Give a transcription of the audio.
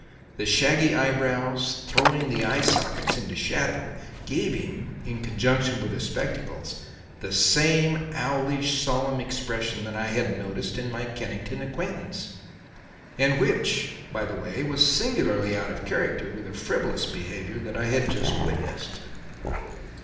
The shaggy eyebrows, throwing the eye sockets into shadow, gave him, in conjunction with the spectacles, the same owlish, solemn expression that I had noticed in my Kennington acquaintance; and which, by the way, was singularly out of character with the frivolous behaviour that I had just witnessed.